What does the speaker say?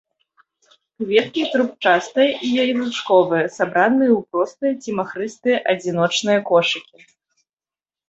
Кветкі трубчастыя і язычковыя, сабраныя ў простыя ці махрыстыя адзіночныя кошыкі.